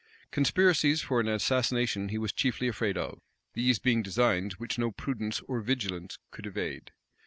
Conspiracies for an assassination he was chiefly afraid of; these being designs which no prudence or vigilance could evade.